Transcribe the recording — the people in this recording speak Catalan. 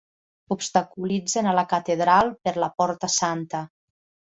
Obstaculitzen a la catedral per la Porta Santa.